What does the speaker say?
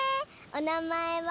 おなまえは？